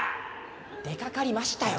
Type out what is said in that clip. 出かかりましたよ。